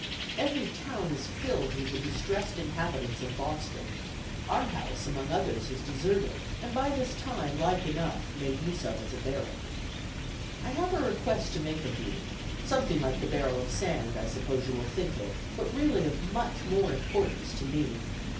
Every town is filled with the distressed inhabitants of Boston. Our house among others is deserted, and by this time, like enough, made use of as a barrack. ... "I have a request to make of you; something like the barrel of sand, I suppose you will think it, but really of much more importance to me.